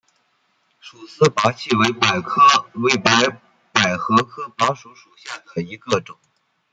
束丝菝葜为百合科菝葜属下的一个种。